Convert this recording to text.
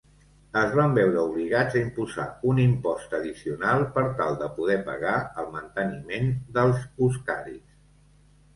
Es van veure obligats a imposar un impost addicional per tal de poder pagar el manteniment dels huscarls